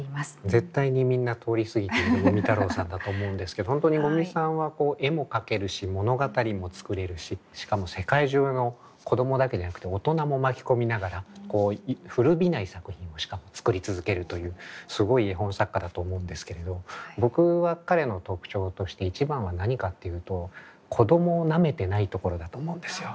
絶対にみんな通り過ぎてる五味太郎さんだと思うんですけど本当に五味さんは絵も描けるし物語も作れるししかも世界中の子供だけでなくて大人も巻き込みながら古びない作品をしかも作り続けるというすごい絵本作家だと思うんですけれど僕は彼の特徴として一番は何かっていうと子供をなめてないところだと思うんですよ。